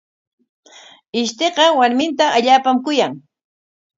Ishtiqa warminta allaapam kuyan.